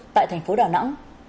tại thành phố đà nẵng